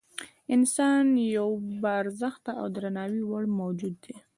انسان یو با ارزښته او د درناوي وړ موجود دی.